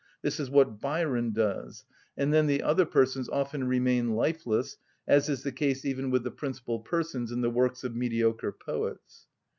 This is what Byron does; and then the other persons often remain lifeless, as is the case even with the principal persons in the works of mediocre poets.